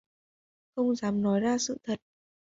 Không dám nói ra sự thật